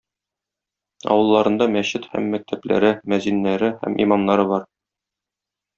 авылларында мәчет һәм мәктәпләре, мөәзиннәре һәм имамнары бар.